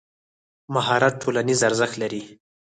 مهارت ټولنیز ارزښت لري.